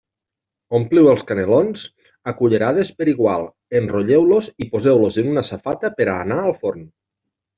Ompliu els canelons a cullerades per igual, enrotlleu-los i poseu-los en una safata per a anar al forn.